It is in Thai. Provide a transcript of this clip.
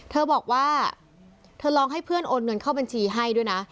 เธอบอกว่าเธอลองให้เพื่อนโอนเงินเข้าบัญชีให้ด้วยนะ